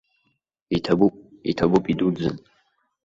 Иҭабуп, иҭабуп идуӡӡан!